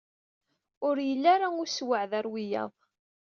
Ur yelha ara usewɛed ɣer wiyaḍ.